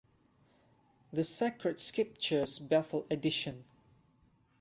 The Sacred Scriptures Bethel Edition.